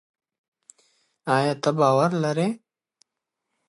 ایا ته باور لري؟